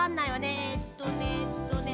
えっとねえっとね